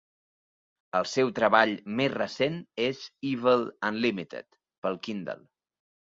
El seu treball més recent és Evil Unlimited pel Kindle.